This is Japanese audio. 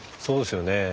そうですよね。